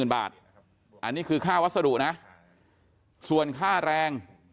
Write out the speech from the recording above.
๙๐๐๐๐บาทอันนี้คือค่าวัสดุนะส่วนค่าแรง